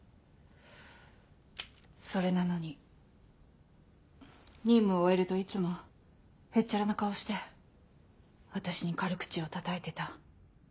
それなのに任務を終えるといつもへっちゃらな顔して私に軽口をたたいてた。